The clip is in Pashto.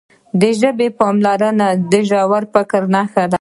د ژبې پاملرنه د ژور فکر نښه ده.